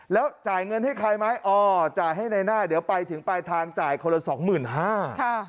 แล้วจ่ายเงินให้ใครไหมอ๋อจ่ายให้ในน่าเดี๋ยวไปถึงปลายทางจ่ายคนละ๒๕๐๐๐บาท